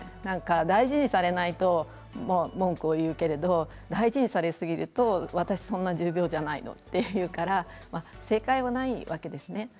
大事にされないと文句を言うけれど大事にされすぎると私そんな重病じゃないのと言うから正解はないわけですね。